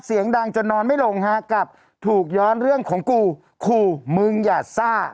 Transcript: เสียงดังจนนอนไม่ลงฮะกลับถูกย้อนเรื่องของกูขู่มึงอย่าซ่า